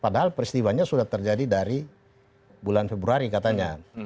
padahal peristiwanya sudah terjadi dari bulan februari katanya